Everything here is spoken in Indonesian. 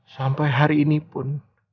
sampai hari ini pun